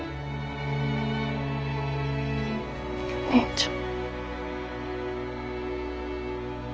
お姉ちゃん。